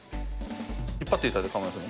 引っ張っていただいてかまいません。